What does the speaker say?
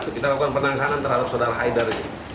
kita lakukan penanggahan terhadap saudara haidar